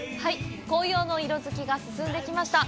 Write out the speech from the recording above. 紅葉の色づきが進んできました。